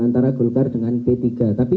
antara golkar dengan p tiga tapi